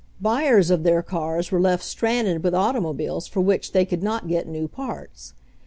Buyers of their cars were left stranded with automobiles for which they could not get new parts.